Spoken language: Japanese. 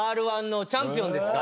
Ｒ−１のチャンピオンですから。